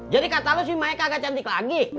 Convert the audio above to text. jadi kata lu si maik kagak cantik lagi